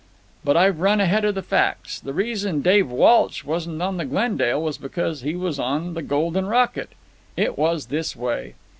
"But I've run ahead of the facts. The reason Dave Walsh wasn't on the Glendale was because he was on the Golden Rocket. It was this way.